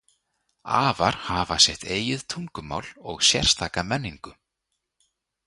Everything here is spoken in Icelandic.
Afar hafa sitt eigið tungumál og sérstaka menningu.